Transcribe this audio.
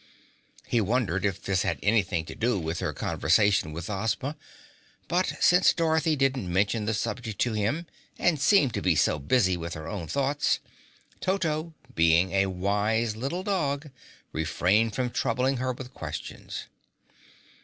He wondered if this had anything to do with her conversation with Ozma, but since Dorothy didn't mention the subject to him and seemed to be so busy with her own thoughts, Toto, being a wise little dog, refrained from troubling her with questions.